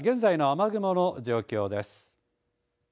では、現在の雨雲の状況です。